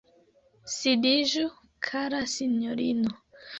Sidiĝu, kara sinjorino.